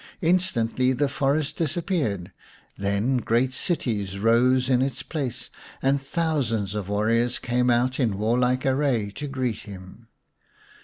Instantly the forest disappeared ; then great cities rose in its place, and thousands of warriors came out in warlike array to greet him.